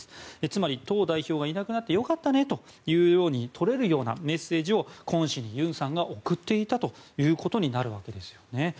つまり党代表がいなくなって良かったねととれるようなメッセージをクォン氏に、尹さんが送っていたということになるわけですね。